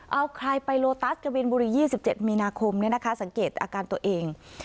เอาคลายไปโลตัสกะบินบุรียี่สิบเจ็ดมีนาคมเนี่ยนะคะสังเกตอาการตัวเอง